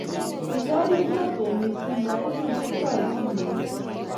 Kichorirenot Tom missing maimuch kororechi Mary